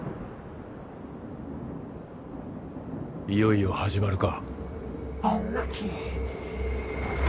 いよいよ始まるか。